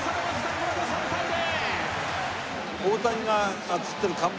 これで３対０。